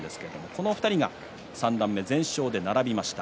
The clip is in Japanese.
この２人が三段目全勝で並びました。